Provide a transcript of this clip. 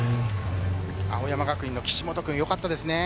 青山学院の岸本君、よかったですね。